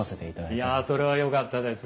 いやそれはよかったです。